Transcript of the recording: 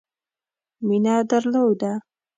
مینه درلوده.